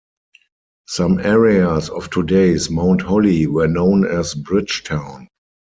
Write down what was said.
Some areas of today's Mount Holly were known as Bridgetown.